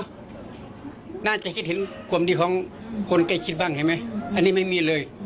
น่าจะคิดเห็นความดีของคนใกล้ชิดบ้างเห็นไหมอันนี้ไม่มีเลย